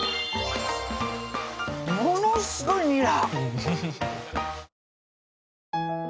ものすごいにら